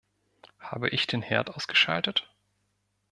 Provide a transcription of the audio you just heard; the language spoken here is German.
Habe ich den Herd ausgeschaltet?